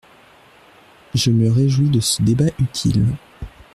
Je me réjouis de ce débat utile.